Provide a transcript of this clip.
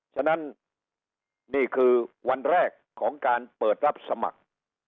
ฉะนั้นนี่คือวันแรกของการเปิดรับสมัคร